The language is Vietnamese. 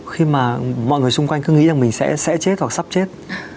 khi mà mọi người xung quanh cứ nghĩ rằng mình sẽ chết hoặc sắp chết